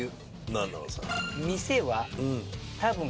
何なのさ。